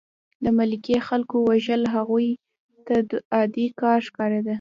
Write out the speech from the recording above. د ملکي خلکو وژل هغوی ته عادي کار ښکارېده